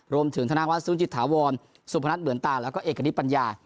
รวมถึงธนาควัฒน์ศูนย์จิตถาวรสุพนัทเหมือนตาแล้วก็เอกนิปัญญา